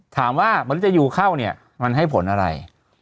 ถามว่ามหัวฤทยูเข้าเนี่ยมันให้ผลอะไร